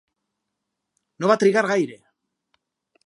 No va trigar gaire.